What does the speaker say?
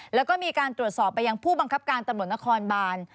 แล้วก็มีการตรวจสอบไปยังผู้บังคับการตำรวจนครบาน